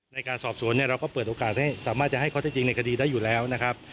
ในการสอบสวนเนี่ยเราก็เปิดโอกาสให้สามารถจะให้ข้อเท็จจริงในคดีได้อยู่แล้วนะครับ